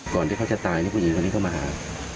ก่อนที่เขาจะตายนี่ผู้หญิงเขามาหา